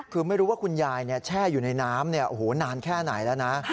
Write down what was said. คือไม่รู้ว่าคุณยายแช่อยู่ในน้ำนานแค่ไหนแล้วนะ